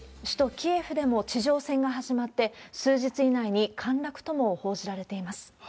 首都キエフでも地上戦が始まって、数日以内に陥落とも報じられています。